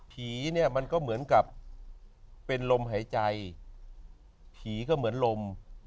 ผีเนี่ยมันก็เหมือนกับเป็นลมหายใจผีก็เหมือนลม